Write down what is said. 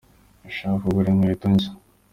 Ndashaka kugura inkweto nshya.